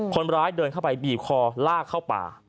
คนร้ายเดินเข้าไปบีบคอลากเข้าป่า